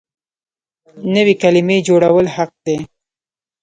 نوې کلمې جوړول حق دی.